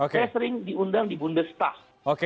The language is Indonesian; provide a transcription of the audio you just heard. saya sering diundang di bundestas